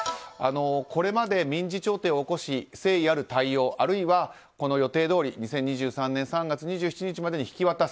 これまで民事調停を起こし誠意ある対応、あるいは２０２３年３月２７日までに引き渡す